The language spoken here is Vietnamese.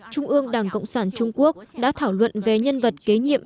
trung ương đảng cộng sản trung quốc đã thảo luận về nhân vật kế nhiệm